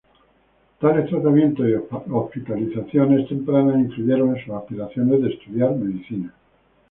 Tales tratamientos y hospitalizaciones tempranas influyeron en sus aspiraciones de estudiar medicina.